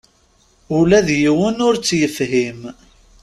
Ula d yiwen ur tt-yefhim.